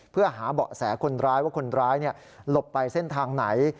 เพื่อหาเบาะแสคนร้ายว่าคนร้ายหลบไปเส้นทางไหน